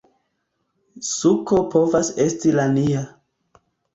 Suko povas esti la nia